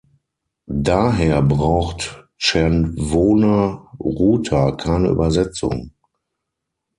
Daher braucht "Tscherwona Ruta" keine Übersetzung.